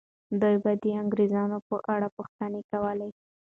دوی به د انګریزانو په اړه پوښتنه کوله.